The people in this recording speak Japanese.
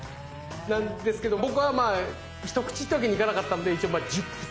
なんですけど僕はまあ１口っていうわけにいかなかったんで一応１０口。